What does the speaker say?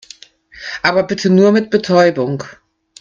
Aber bitte nur mit Betäubung.